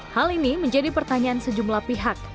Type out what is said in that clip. hal ini menjadi pertanyaan sejumlah pihak